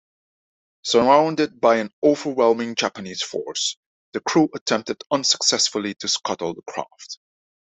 Surrounded by an overwhelming Japanese force, the crew attempted unsuccessfully to scuttle the craft.